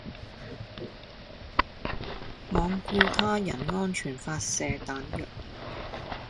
罔顧他人安全發射彈藥